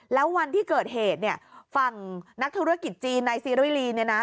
แล้ววันที่เกิดเหตุฝั่งนักธุรกิจจีนนายซีรีเนี่ยนะ